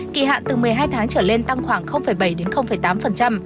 kỳ hạn từ một mươi hai tháng trở lên tăng khoảng bảy đến tám